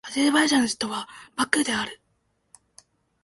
アゼルバイジャンの首都はバクーである